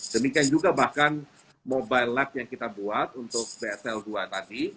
demikian juga bahkan mobile lab yang kita buat untuk bsl dua tadi